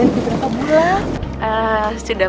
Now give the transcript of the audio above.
oke prettier aja sekarang